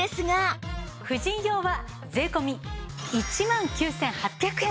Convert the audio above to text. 婦人用は税込１万９８００円。